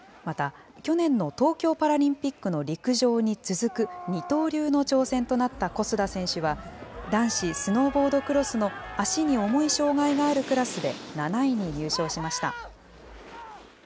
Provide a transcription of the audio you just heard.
また、去年の東京パラリンピックの陸上に続く二刀流の挑戦となった小須田選手は、男子スノーボードクロスの足に重い障害があるクラスで７位に入賞しました。